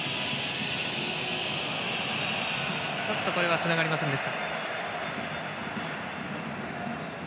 つながりませんでした。